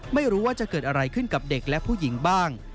ไม่รู้ว่าจะเกิดอะไรขึ้นกับเด็กและผู้หญิงบ้าง